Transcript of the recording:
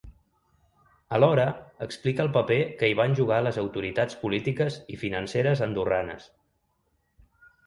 Alhora, explica el paper que hi van jugar les autoritats polítiques i financeres andorranes.